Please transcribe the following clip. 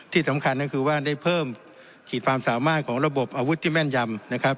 ที่สำคัญก็คือว่าได้เพิ่มขีดความสามารถของระบบอาวุธที่แม่นยำนะครับ